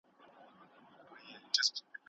اوس به څوك رايادوي تېري خبري